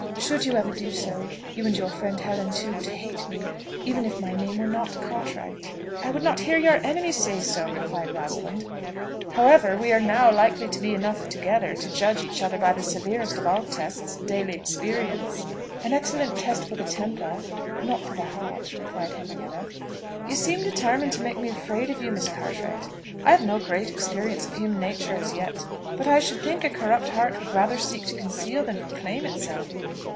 Should you ever do so, you, and your friend Helen too, would hate me, even if my name were not Cartwright." "I would not hear your enemy say so," replied Rosalind. "However, we are now likely to be enough together to judge each other by the severest of all tests, daily experience." "An excellent test for the temper, but not for the heart," replied Henrietta. "You seem determined to make me afraid of you, Miss Cartwright. I have no great experience of human nature as yet; but I should think a corrupt heart would rather seek to conceal than proclaim itself."